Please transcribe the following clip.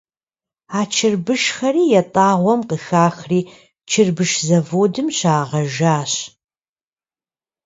А чырбышхэри ятӏагъуэм къыхахри чырбыш заводым щагъэжащ.